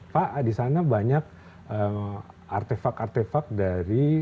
pak di sana banyak artefak artefak dari